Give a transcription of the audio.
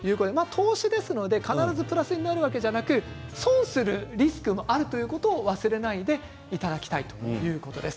投資なので必ずプラスになるだけではなく損するリスクもあるということを忘れないでいただきたいということです。